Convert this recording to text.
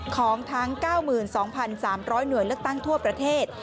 ของทั้ง๙๒๓๐๐หน่วยเลือกตั้งทั่วประเทศ